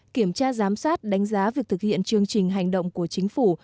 kiểm tra giám sát đánh giá việc thực hiện chương trình hành động của chính phủ